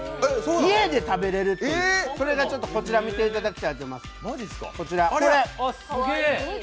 家で食べれるっていうこちら見ていただきたいと思いますがこれ。